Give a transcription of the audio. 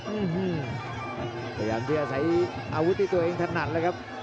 อื้อฮือพยายามจะใช้อาวุธที่ตัวเองถนัดเลยครับ